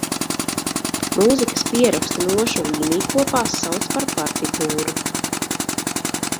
Mūzikas pierakstu nošu līnijkopās sauc par partitūru.